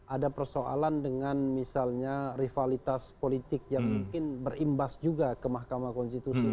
ada persoalan dengan misalnya rivalitas politik yang mungkin berimbas juga ke mahkamah konstitusi